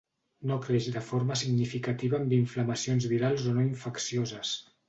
No creix de forma significativa amb inflamacions virals o no infeccioses.